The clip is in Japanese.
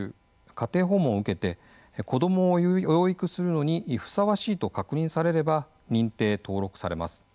家庭訪問を受けて子どもを養育するのにふさわしいと確認されれば認定・登録されます。